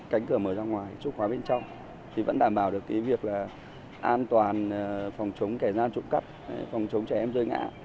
cánh cửa mở ra ngoài trúc khóa bên trong thì vẫn đảm bảo được cái việc là an toàn phòng chống kẻ gian trộm cắp phòng chống trẻ em rơi ngã